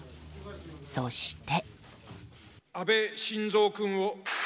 そして。